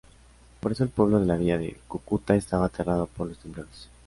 Por eso el pueblo de la Villa de Cúcuta estaba aterrado por los temblores.